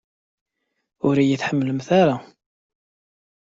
Ur iyi-tḥemmlemt ara!